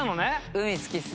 海好きっす。